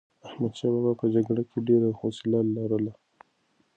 احمدشاه بابا په جګړه کې ډېر حوصله لرله.